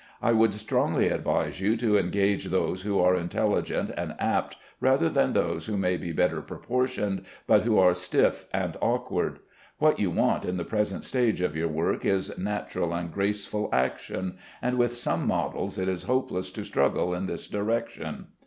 I would strongly advise you to engage those who are intelligent and apt, rather than those who may be better proportioned, but who are stiff and awkward. What you want in the present stage of your work is natural and graceful action, and with some models it is hopeless to struggle in this direction.